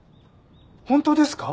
本当ですか！？